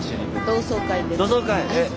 同窓会です。